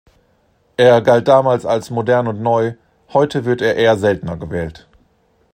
Er galt damals als modern und neu, heute wird er eher seltener gewählt.